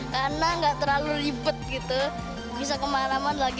karena nggak terlalu ribet gitu bisa kemaraman lagi